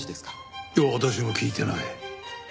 いや私も聞いてない。